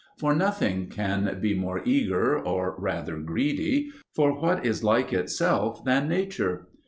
For nothing can be more eager, or rather greedy, for what is like itself than nature.